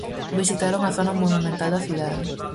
Visitaron a zona monumental da cidade.